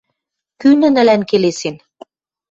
Кӱ нӹнӹлӓн келесен?